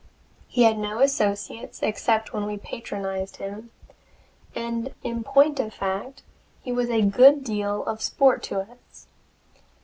He had no associates except when we patronized him; and, in point of fact, he was a good deal of sport to us.